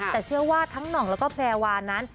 แต่เชื่อว่าทั้งหนองและแพลวาน้ำ